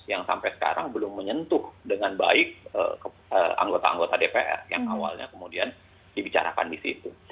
yang sampai sekarang belum menyentuh dengan baik anggota anggota dpr yang awalnya kemudian dibicarakan di situ